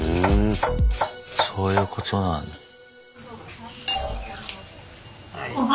そういうことなんだ。え。